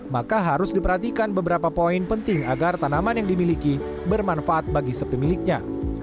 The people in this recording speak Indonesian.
maka harus diperhatikan beberapa poin penting agar tanaman yang dimiliki bermanfaat bagi sepemiliknya